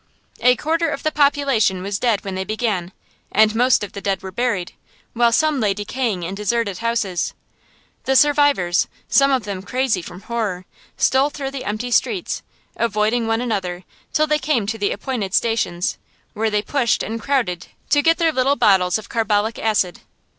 A quarter of the population was dead when they began, and most of the dead were buried, while some lay decaying in deserted houses. The survivors, some of them crazy from horror, stole through the empty streets, avoiding one another, till they came to the appointed stations, where they pushed and crowded to get their little bottles of carbolic acid.